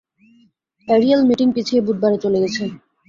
Ariel meeting পিছিয়ে বুধবারে চলে গেছে।